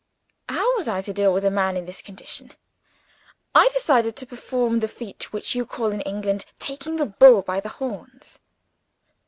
How was I to deal with a man in this condition? I decided to perform the feat which you call in England, "taking the bull by the horns."